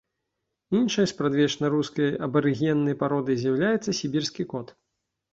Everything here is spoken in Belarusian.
Іншай спрадвечна рускай абарыгеннай пародай з'яўляецца сібірскі кот.